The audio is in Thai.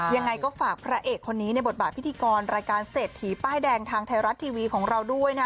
ยังไงก็ฝากพระเอกคนนี้ในบทบาทพิธีกรรายการเศรษฐีป้ายแดงทางไทยรัฐทีวีของเราด้วยนะ